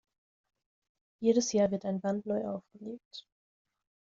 Jedes Jahr wird ein Band neu aufgelegt.